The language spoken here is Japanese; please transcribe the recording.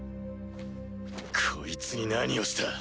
こいつに何をした？